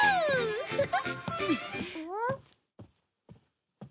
ウフフフ。